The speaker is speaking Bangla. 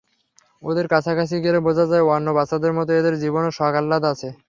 ওদের কাছাকাছি গেলে বোঝা যায়, অন্য বাচ্চাদের মতো এদের জীবনেও শখ-আহ্লাদ আছে।